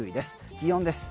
気温です。